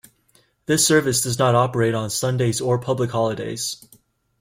This service does not operate on Sundays or public holidays.